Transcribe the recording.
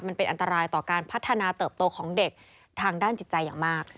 มันเป็นอันตรายต่อการพัฒนาเติบโตของเด็กทางด้านจิตใจอย่างมาก